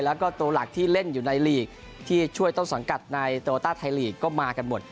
แล้วก็ตัวหลักที่เล่นอยู่ในลีกที่ช่วยต้นสังกัดในโตโลต้าไทยลีกก็มากันหมด